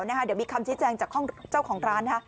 เดี๋ยวมีคำชี้แจงจากเจ้าของร้าน